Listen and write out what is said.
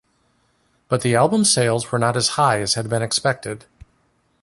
But the album sales were not as high as had been expected.